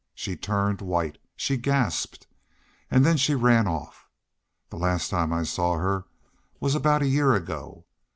She turned white. She gasped. And then she ran off. The last time I saw her was about a year ago.